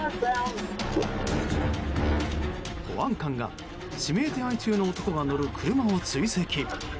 保安官が指名手配中の男が乗る車を追跡。